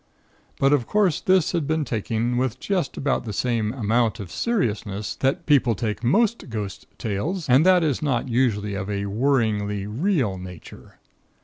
But, of course, this had been taken with just about the same amount of seriousness that people take most ghost tales, and that is not usually of a worryingly real nature.